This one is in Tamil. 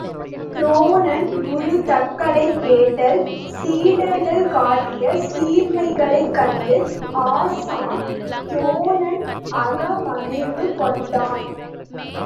துரோணன் குரு தக்களை கேட்டல் சீடர்கள் காட்டிய சீர்மைகளைக் கண்டு ஆசான் துரோணன் அகமகிழ்வு கொண்டான்.